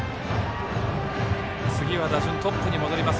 次は打順トップに戻ります